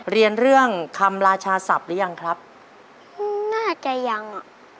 เรียนเรื่องคำราชาศัพท์หรือยังครับน่าจะยังอ่ะ